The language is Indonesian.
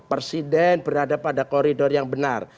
presiden berada pada koridor yang benar